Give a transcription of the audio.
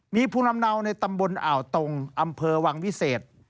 มีภูมิลำเนาในตำบลอ่าวตรงอำเภอวังวิเศษ